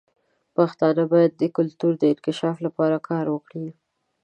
پښتانه باید د کلتور د انکشاف لپاره کار وکړي.